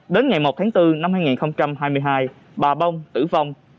đến ngày một tháng bốn năm hai nghìn hai mươi hai bà bông tự nhiên bị bệnh